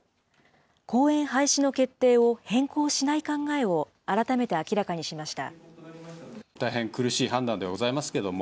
公園廃止の決定を変更しない考えを改めて明らかにしました。